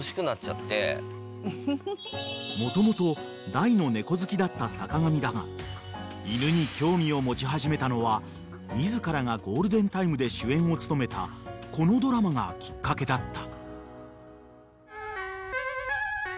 ［もともと大の猫好きだった坂上だが犬に興味を持ち始めたのは自らがゴールデンタイムで主演を務めたこのドラマがきっかけだった］